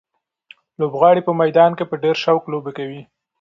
لوبغاړي په میدان کې په ډېر شوق لوبې کوي.